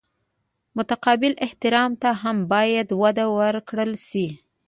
متقابل احترام ته هم باید وده ورکړل شي.